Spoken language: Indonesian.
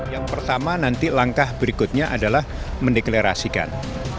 yang pertama nanti langkah berikutnya adalah mendeklarasikan